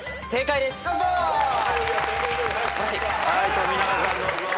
富永さんどうぞ。